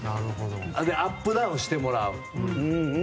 アップダウンしてもらう。